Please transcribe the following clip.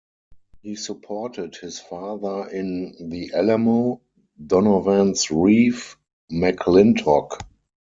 He supported his father in "The Alamo", "Donovan's Reef", "McLintock!